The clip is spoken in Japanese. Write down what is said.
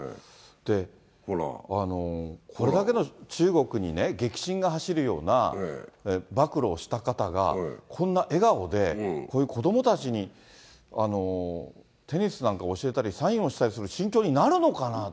で、これだけの中国にね、激震が走るような暴露をした方がこんな笑顔で、こういう子どもたちにテニスなんか教えたり、サインをしたりする心境になるのかなと。